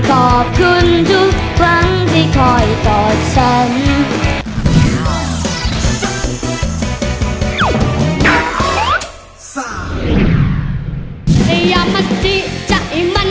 ขอบคุณทุกครั้งที่คอยกอดฉัน